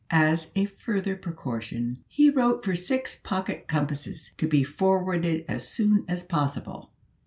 As a further precaution, he wrote for six pocket compasses to be forwarded as soon as possible.